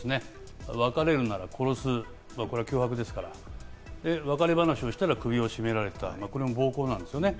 別れるなら殺す、これは脅迫ですから、別れ話をしたら首を絞められた、これも暴行なんです。